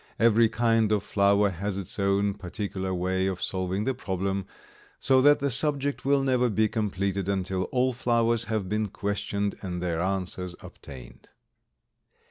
Every kind of flower has its own particular way of solving the problem, so that the subject will never be completed until all flowers have been questioned and their answers obtained.